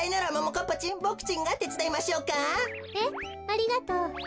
ありがとう。